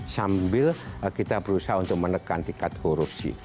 sambil kita berusaha untuk menekan tingkat korupsi